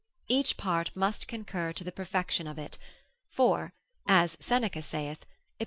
Each part must concur to the perfection of it; for as Seneca saith, Ep.